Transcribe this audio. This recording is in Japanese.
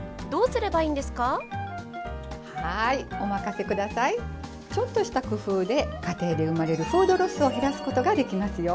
ちょっとした工夫で家庭で生まれるフードロスを減らすことができますよ。